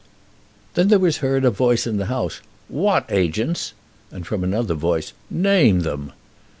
Then there was heard a voice in the House, "What agents?" and from another voice, "Name them."